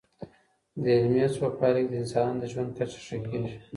د علمي هڅو په پایله کي د انسانانو د ژوند کچه ښه کیږي.